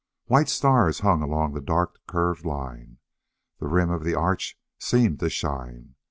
White stars hung along the dark curved line. The rim of the arch seemed to shine.